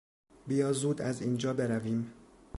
بیا زود از اینجا برویم.